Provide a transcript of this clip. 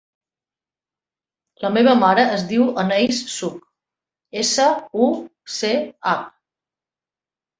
La meva mare es diu Anaïs Such: essa, u, ce, hac.